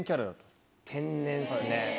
天然ですね